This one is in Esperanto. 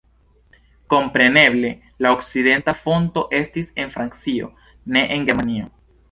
Kompreneble, la okcidenta fronto estis en Francio, ne en Germanio.